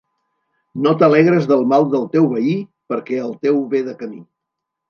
No t'alegres del mal del teu veí, perquè el teu ve de camí.